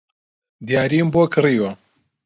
دیاریم بۆ کڕیوە